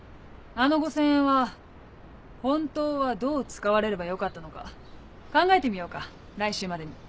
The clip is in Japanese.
あの５０００円は本当はどう使われればよかったのか考えてみようか来週までに。